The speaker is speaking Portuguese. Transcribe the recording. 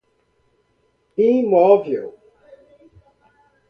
imóvel